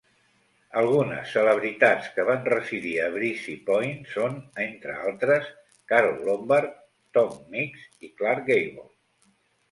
Algunes celebritats que van residir a Breezy Point són, entre altres, Carole Lombard, Tom Mix i Clark Gable.